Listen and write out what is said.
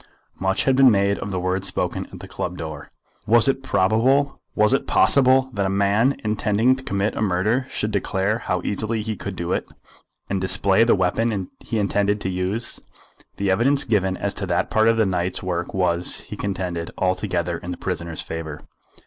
Much had been made of the words spoken at the club door. Was it probable, was it possible, that a man intending to commit a murder should declare how easily he could do it, and display the weapon he intended to use? The evidence given as to that part of the night's work was, he contended, altogether in the prisoner's favour.